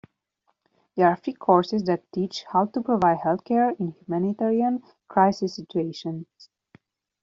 There are free courses that teach how to provide healthcare in humanitarian crises situations.